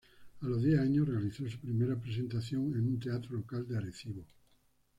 A los diez años, realizó su primera presentación en un teatro local de Arecibo.